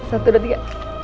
satu dua tiga